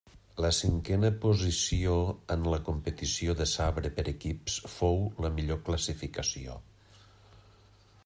La cinquena posició en la competició de sabre per equips fou la millor classificació.